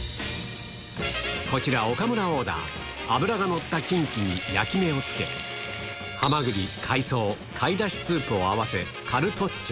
こちら、岡村オーダー、脂が乗ったキンキに焼き目をつけ、ハマグリ、海藻、貝だしスープを合わせ、カルトッチョ。